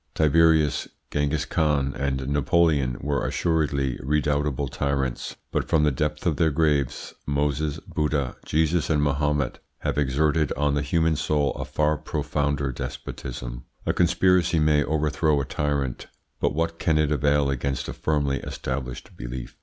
Tiberius, Ghengis Khan, and Napoleon were assuredly redoubtable tyrants, but from the depth of their graves Moses, Buddha, Jesus, and Mahomet have exerted on the human soul a far profounder despotism. A conspiracy may overthrow a tyrant, but what can it avail against a firmly established belief?